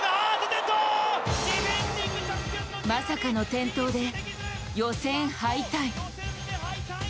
まさかの転倒で、予選敗退。